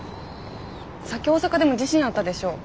さっき大阪でも地震あったでしょ。